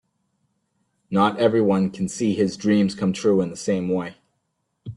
Not everyone can see his dreams come true in the same way.